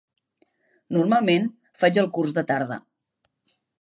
Normalment, faig el curs de tarda.